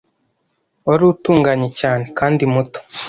Wari utunganye cyane kandi muto.